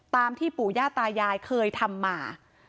ตามที่ปู่ญาตายายเคยทำมา